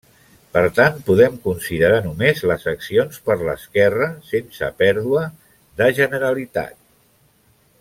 Per tant, podem considerar només les accions per l'esquerra, sense pèrdua de generalitat.